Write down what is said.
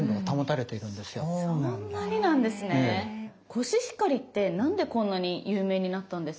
コシヒカリって何でこんなに有名になったんですか？